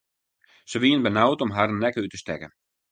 Se wienen benaud om harren nekke út te stekken.